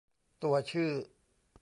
ตัวชื่อ